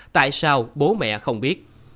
tại sao bố mẹ không biết